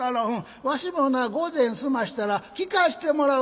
わしもなご膳済ませたら聴かしてもらう」。